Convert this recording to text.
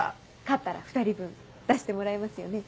勝ったら２人分出してもらえますよね？